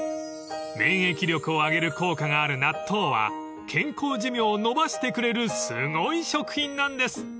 ［免疫力を上げる効果がある納豆は健康寿命を延ばしてくれるすごい食品なんです］